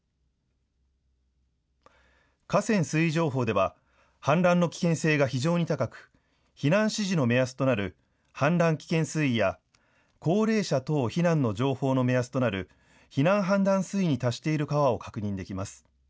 河川水位情報では氾濫の危険性が非常に高く避難指示の目安となる氾濫危険水位や高齢者等避難の情報の目安となる避難判断水位に達している川を確認できます。